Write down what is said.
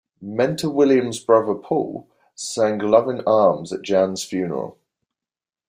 Mentor Williams's brother Paul sang "Loving Arms" at Jans's funeral.